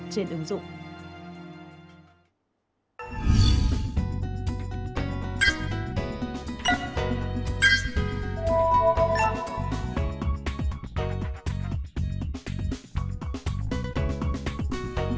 trên ứng dụng